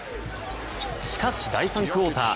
しかし、第３クオーター。